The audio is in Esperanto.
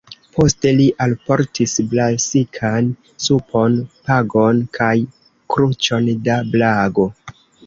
Poste li alportis brasikan supon, panon kaj kruĉon da "brago".